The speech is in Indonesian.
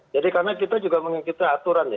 jadi karena kita juga mengikuti aturan ya